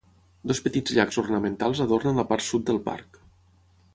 Dos petits llacs ornamentals adornen la part sud del parc.